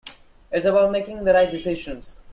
It's about making the right decisions.